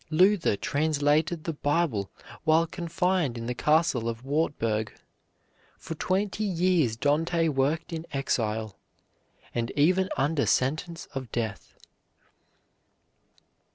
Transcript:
Luther translated the Bible while confined in the Castle of Wartburg. For twenty years Dante worked in exile, and even under sentence of death.